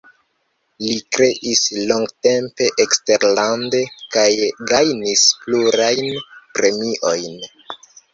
Li kreis longtempe eksterlande kaj gajnis plurajn premiojn.